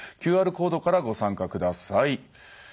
ＱＲコードからご参加ください。